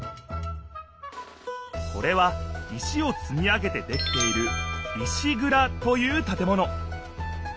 これは石をつみ上げてできている石ぐらという建物